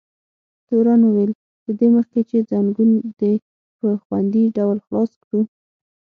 تورن وویل: له دې مخکې چې ځنګون دې په خوندي ډول خلاص کړو.